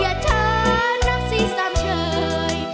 แต่วจากกลับมาท่าน้าที่รักอย่าช้านับสิสามเชย